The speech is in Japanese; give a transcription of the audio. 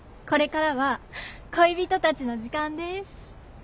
これからは恋人たちの時間です。